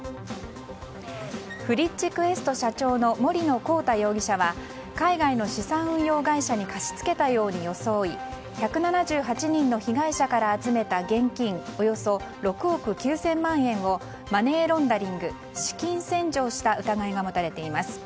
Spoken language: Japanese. フリッチクエスト社長の森野広太容疑者は海外の資産運用会社に貸し付けたように装い１７８人の被害者から集めた現金およそ６億９０００万円をマネーロンダリング資金洗浄した疑いが持たれています。